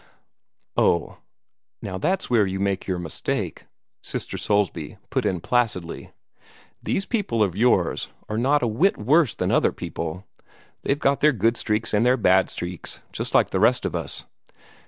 "Oh, now that's where you make your mistake," Sister Soulsby put in placidly. "These people of yours are not a whit worse than other people. They've got their good streaks and their bad streaks, just like the rest of us.